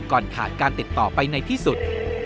ก่อนขาดการติดต่อไปในที่สุด